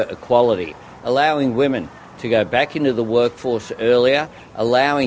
membolehkan wanita untuk kembali ke pekerjaan lebih awal